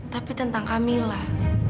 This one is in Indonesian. tapi tentang kamilah